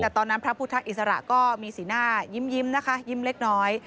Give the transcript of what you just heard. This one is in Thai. แต่ตอนนั้นพระพุทธอิสระก็มีสีหน้ายิ้มนะคะยิ้มเล็กน้อย